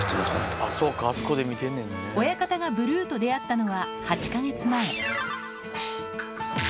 親方がブルーと出会ったのは、８か月前。